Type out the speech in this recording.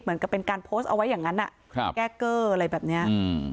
เหมือนกับเป็นการโพสต์เอาไว้อย่างนั้นแก้เกอร์อะไรแบบเนี้ยอืม